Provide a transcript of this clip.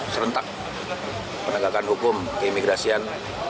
serentak penegakan hukum keimigrasian dua ribu enam belas